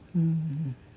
うん。